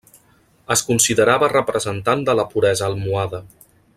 Es considerava representant de la puresa almohade.